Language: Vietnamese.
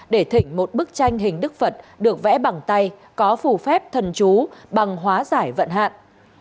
để thỉnh một bức tranh hình đức phật được vẽ bằng tay có phủ phép thần trú bằng hóa giải vận hạn